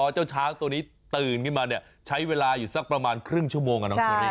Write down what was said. กว่าจะรอตัวนี้ตื่นมาปุ๊บก็จะต้องรออยู่สักประมาณ๓๐ชั่วโมง